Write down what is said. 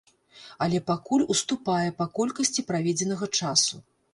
Але пакуль уступае па колькасці праведзенага часу.